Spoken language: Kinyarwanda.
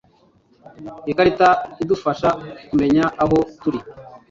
Ikarita idufasha kumenya aho turi.